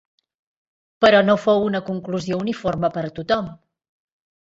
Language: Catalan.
Però no fou una condició uniforme per a tothom.